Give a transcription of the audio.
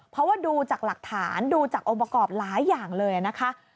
เพราะว่าดูจากหลักฐานดูจากองค์ประกอบหลายอย่างเลยนะคะ